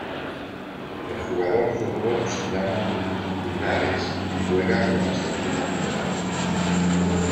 El jugador zurdo se llama Linares y juega con la selección nacional.